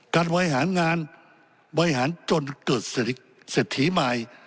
การไวหางานไวหางานจนเกิดสถิมาย